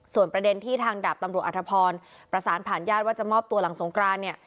ส่วนประเด็นที่ทางดาบตำรวจอธพรประสานผ่านญาติว่าจะมอบตัวหลังสงกรานเนี่ย